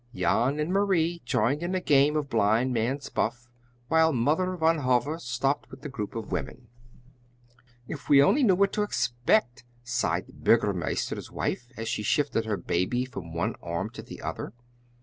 Jan and Marie joined in a game of blindman's buff, while Mother Van Hove stopped with the group of women. "If we only knew what to expect!" sighed the Burgomeister's wife, as she shifted her baby from one arm to the other.